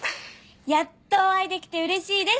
やっとお会いできてうれしいです。